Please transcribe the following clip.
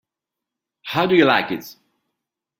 How do you like it?